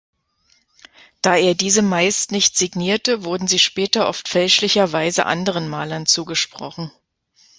Da er diese meist nicht signierte, wurden sie später oft fälschlicherweise anderen Malern zugesprochen.